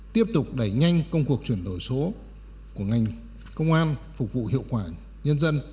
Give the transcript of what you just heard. tiếp tục đẩy nhanh công cuộc chuyển đổi số của ngành công an phục vụ hiệu quả nhân dân